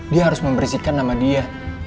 dia harus membersihkan nama dia